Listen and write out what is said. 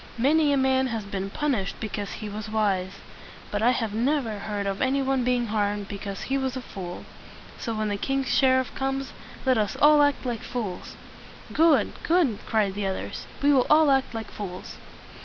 Many a man has been punished because he was wise, but I have never heard of any one being harmed because he was a fool. So, when the king's sher iff comes, let us all act like fools." "Good, good!" cried the others. "We will all act like fools."